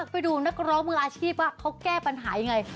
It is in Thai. ไปดูนักร้องมืออาชีพว่าเขาแก้ปัญหายังไง